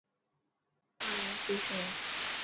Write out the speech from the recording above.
مائي آفيس هي.